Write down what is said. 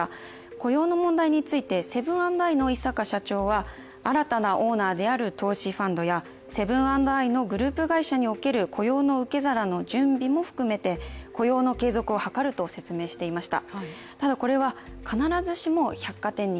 雇用の問題についてセブン＆アイの井阪社長は新たな雇用者であるオーナーやセブン＆アイのグループ会社における雇用の受け皿の準備も含めて雇用の継続を図ると説明していました。